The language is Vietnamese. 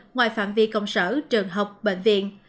ngoài phạm vi công sở trường học bệnh viện